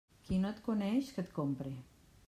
Qui no et coneix, que et compre.